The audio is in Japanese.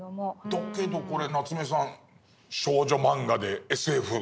だけどこれ夏目さん少女漫画でＳＦ。